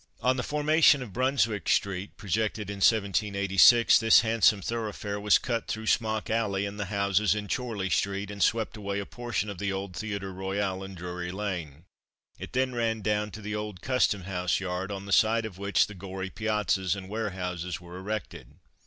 On the formation of Brunswick street, projected in 1786, this handsome thoroughfare was cut through Smock alley and the houses in Chorley street, and swept away a portion of the old Theatre Royal in Drury lane; it then ran down to the old Custom house yard, on the site of which the Goree Piazzas and warehouses were erected.